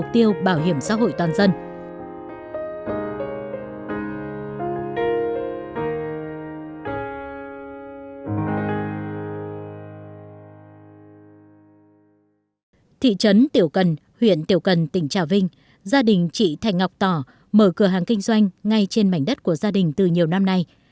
thị trấn tiểu cần huyện tiểu cần tỉnh trào vinh gia đình chị thành ngọc tỏ mở cửa hàng kinh doanh ngay trên mảnh đất của gia đình từ nhiều năm nay